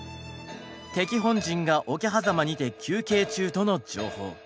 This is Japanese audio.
「敵本陣が桶狭間にて休憩中」との情報。